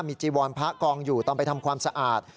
มีจีวรพระกองอยู่ตอนไปทำความสะอาด